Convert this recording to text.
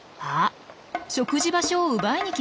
食事場所を奪いに来ました。